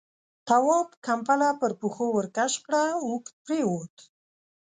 تواب ، کمپله پر پښو ورکش کړه، اوږد پرېووت.